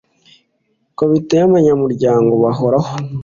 Komite y’abanyamuryango bahoraho